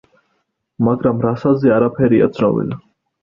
მაგრამ რასაზე არაფერია ცნობილი.